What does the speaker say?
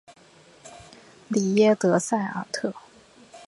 里耶德塞尔特。